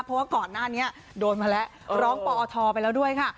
เพราะว่าก่อนหน้านี้โดนมาแล้วร้องปอทไปแล้วด้วยค่ะ